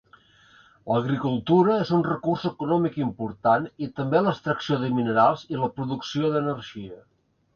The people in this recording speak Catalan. L'agricultura és un recurs econòmic important i també l'extracció de minerals i la producció d'energia.